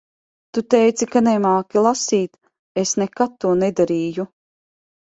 Tu teici ka nemāki lasīt. Es nekad to nedarīju.